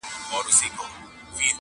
پر خپلو پښو د خپل قاتل غیږي ته نه ورځمه!